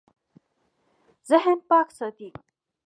ذهن پاک ساتئ